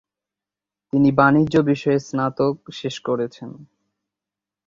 তিনি বাণিজ্য বিষয়ে স্নাতক শেষ করেছেন।